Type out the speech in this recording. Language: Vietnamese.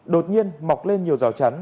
đột nhiên mọc lên nhiều rào chắn